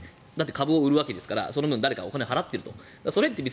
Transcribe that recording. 株を売るわけですからその分、誰かがお金を払っていると。